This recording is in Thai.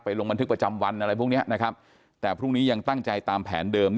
ลงบันทึกประจำวันอะไรพวกนี้นะครับแต่พรุ่งนี้ยังตั้งใจตามแผนเดิม